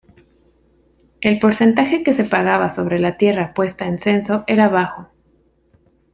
El porcentaje que se pagaba sobre la tierra puesta en censo era bajo.